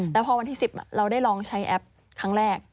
แล้วพอวันที่๑๐เราได้ลองใช้แอปครั้งแรก